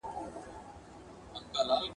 نن یې زما په غاړه خون دی نازوه مي ..